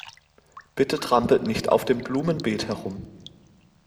Bitte trampelt nicht auf dem Blumenbeet herum.